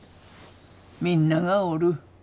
みんながおる。